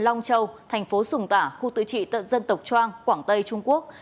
long châu thành phố sùng tả khu tự trị tận dân tộc trang quảng tây trung quốc